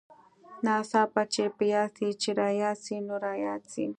ناڅاپه چې په ياد سې چې راياد سې نو راياد سې.